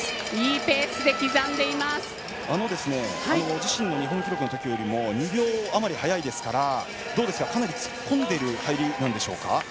自身の日本記録のときよりも２秒余り早いですからかなり、突っ込んでいる入りなんでしょうか？